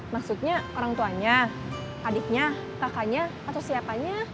maksudnya orang tuanya adiknya kakaknya atau siapanya